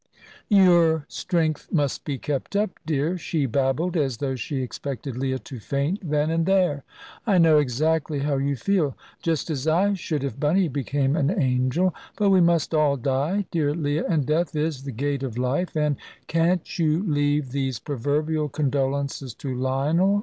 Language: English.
"Your strength must be kept up, dear," she babbled, as though she expected Leah to faint then and there. "I know exactly how you feel. Just as I should, if Bunny became an angel. But we must all die, dear Leah, and death is the gate of life, and " "Can't you leave these proverbial condolences to Lionel?"